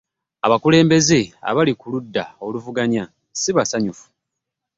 Abakulembeze abali ku ludda oluvuganya sibasanyufu.